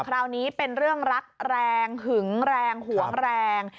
คราวนี้เป็นเรื่องรักแรงหึงแรงหวงแรง